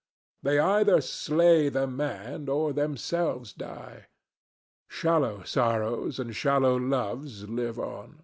They either slay the man, or themselves die. Shallow sorrows and shallow loves live on.